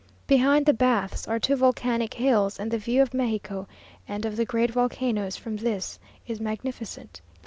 Behind the baths are two volcanic hills; and the view of Mexico and of the great volcanoes from this is magnificent.